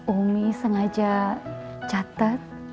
umi sengaja catat